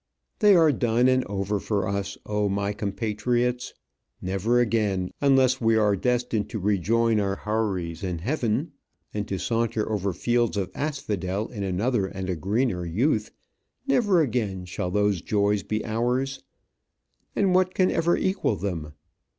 They are done and over for us, oh, my compatriots! Never again, unless we are destined to rejoin our houris in heaven, and to saunter over fields of asphodel in another and a greener youth never again shall those joys be ours! And what can ever equal them?